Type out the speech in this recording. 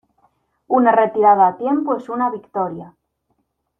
Una retirada a tiempo es una victoria.